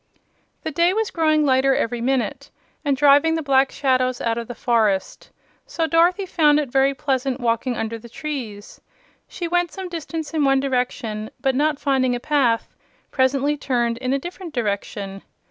The day was growing lighter every minute and driving the black shadows out of the forest; so Dorothy found it very pleasant walking under the trees. She went some distance in one direction, but not finding a path, presently turned in a different direction.